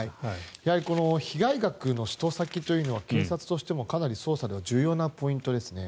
やはり被害額の使途先というのは警察としてもかなり捜査の重要なポイントですね。